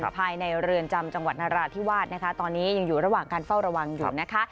ภายในเรือนจำจังหวัดนราธิวาสนะคะตอนนี้ยังอยู่ระหว่างการเฝ้าระวังอยู่นะคะ